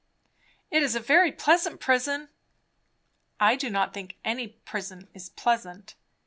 "It is a very pleasant prison." "I do not think any prison is pleasant.